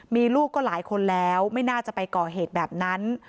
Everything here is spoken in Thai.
มีลูกก็หลายคนแล้วไม่น่าจะไปก่อเหตุแบบนั้น